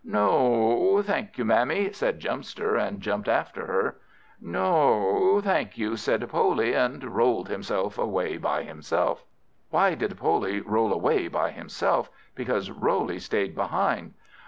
"No o o, thank you, Mammy," said Jumpster, and jumped after her. "No o o o, thank you," said Poley, and rolled away by himself. Why did Poley roll away by himself? Because Roley stayed behind.